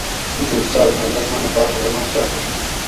اچھوٹ ساۤت ماۤئ آۤسماۤنہ باۤر خطرناک چاۤل ھوڛت